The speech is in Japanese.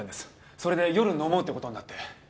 それで夜飲もうって事になって。